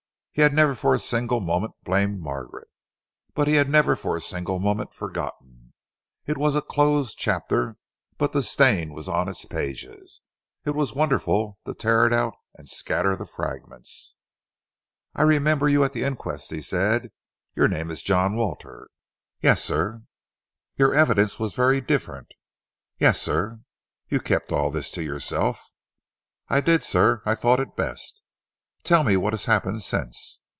He had never for a single moment blamed Margaret, but he had never for a single moment forgotten. It was a closed chapter but the stain was on its pages. It was wonderful to tear it out and scatter the fragments. "I remember you at the inquest," he said. "Your name is John Walter." "Yes, sir." "Your evidence was very different." "Yes, sir." "You kept all this to yourself." "I did, sir. I thought it best." "Tell me what has happened since?"